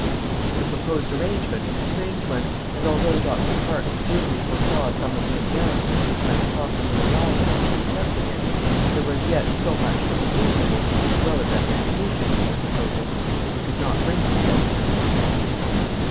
The proposed arrangement was a strange one; and although Dr. Parkes dimly foresaw some of the embarrassments which might possibly arise from his accepting it, there was yet so much that was reasonable as well as advantageous in the proposal, that he could not bring himself to decline it.